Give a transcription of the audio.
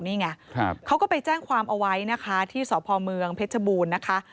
นี่ไงเขาก็ไปแจ้งความเอาไว้นะคะที่สพเมืองเพชรบูรณ์นะคะ